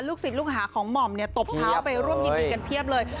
ลูกสิทธิ์ลูกหาของหม่อมตบเท้าไปร่วมยินดีกันเพียบเลย